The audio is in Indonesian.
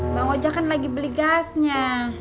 bang ojak kan lagi beli gasnya